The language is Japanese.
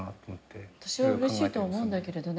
私はうれしいと思うんだけどね。